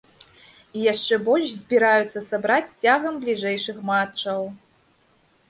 І яшчэ больш збіраюцца сабраць цягам бліжэйшых матчаў.